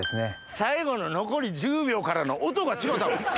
最後の残り１０秒からの音が違うたもん。